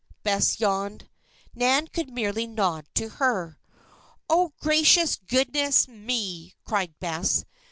Bess yawned. Nan could merely nod to her. "Oh, gracious goodness me!" cried Bess.